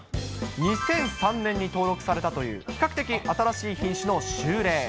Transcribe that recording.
２００３年に登録されたという比較的新しい品種の秋麗。